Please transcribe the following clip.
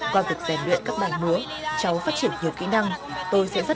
qua việc giải luyện các bài múa cháu phát triển nhiều kỹ năng